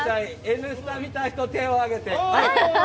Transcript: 「Ｎスタ」見た人、手を挙げて。